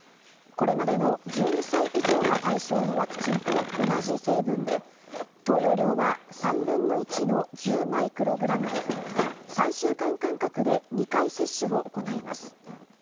これまでの１２歳以上が対象のワクチンと同じ成分で、投与量は３分の１の１０マイクログラムで、３週間間隔で２回接種を行います。